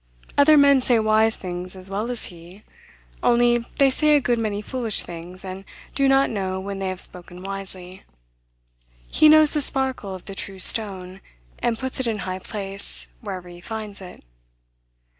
Other men say wise things as well as he; only they say a good many foolish things, and do not know when they have spoken wisely. He knows the sparkle of the true stone, and puts it in high place, wherever he finds it.